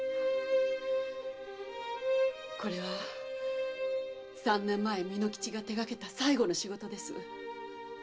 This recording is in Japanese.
これは三年前巳之吉が手がけた最後の仕事です。